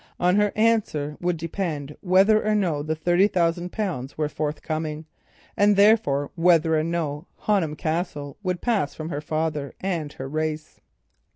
On her answer would depend whether or no the thirty thousand pounds were forthcoming, and therefore, whether or no Honham Castle would pass from her father and her race.